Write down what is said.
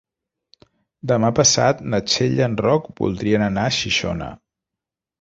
Demà passat na Txell i en Roc voldrien anar a Xixona.